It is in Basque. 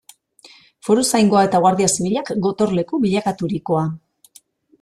Foruzaingoa eta Guardia Zibilak gotorleku bilakaturikoa.